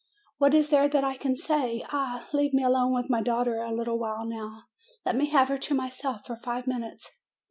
What is there that I can say? Ah! leave me alone with my daughter a little while now. Let me have her to myself for five minutes."